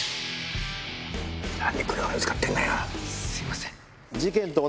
すいません。